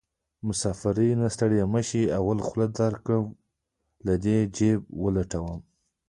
مسافرۍ نه ستړی مشې اول خوله درکړم که دې جېب ولټومه